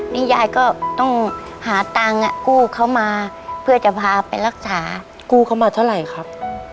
นี่ยายก็ต้องหาตังค์กู้เขามาเพื่อจะพาไปรักษากู้เขามาเท่าไหร่ครับ